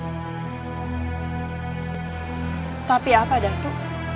anak yang kupikir adalah aku